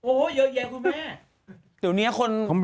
โอ้โหเยอะแยะคุณแม่